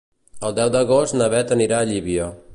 El deu d'agost na Bet anirà a Llívia.